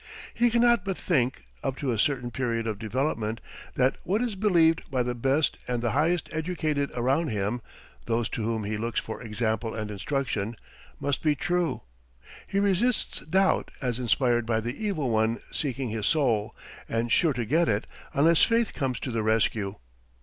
He cannot but think, up to a certain period of development, that what is believed by the best and the highest educated around him those to whom he looks for example and instruction must be true. He resists doubt as inspired by the Evil One seeking his soul, and sure to get it unless faith comes to the rescue.